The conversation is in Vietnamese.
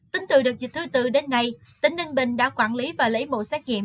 tính từ đợt dịch thứ tư đến nay tỉnh ninh bình đã quản lý và lấy mẫu xét nghiệm